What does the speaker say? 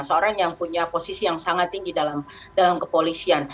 seorang yang punya posisi yang sangat tinggi dalam kepolisian